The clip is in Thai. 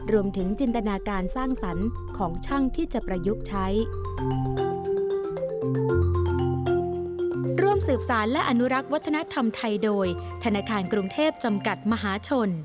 จินตนาการสร้างสรรค์ของช่างที่จะประยุกต์ใช้